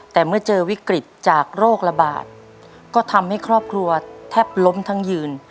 แต่เมื่อเจอวิกฤตจากโรคระบาดก็ทำให้ครอบครัวแทบล้มทั้งยืน